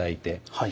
はい。